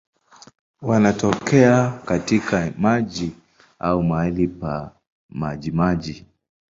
Wanatokea katika maji au mahali pa majimaji.